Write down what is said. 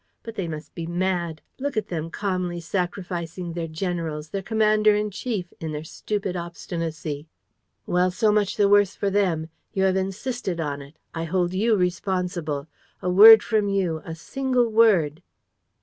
But they must be mad! Look at them, calmly sacrificing their generals, their commander in chief, in their stupid obstinacy. Well, so much the worse for them! You have insisted on it. I hold you responsible. A word from you, a single word.